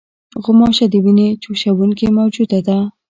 غوماشه د وینې چوشوونکې موجوده ده.